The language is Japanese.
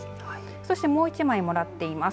そしてもう１枚もらっています。